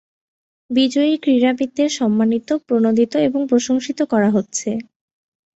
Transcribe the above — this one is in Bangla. বিজয়ী ক্রীড়াবিদদের সম্মানিত, প্রণোদিত, এবং প্রশংসিত করা হচ্ছে।